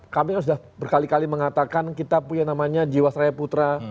kami sudah berkali kali mengatakan kita punya namanya jiwa saya putra